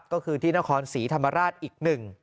ก็คือที่นครศรีธรรมราชอีกหนึ่ง